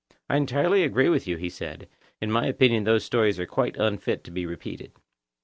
I entirely agree with you, he said; in my opinion those stories are quite unfit to be repeated.